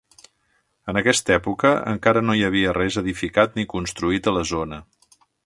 En aquesta època encara no hi havia res edificat ni construït a la zona.